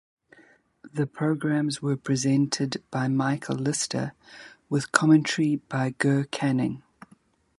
The programmes were presented by Michael Lyster with commentary by Ger Canning.